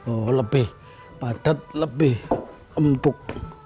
oh lebih padat lebih empuk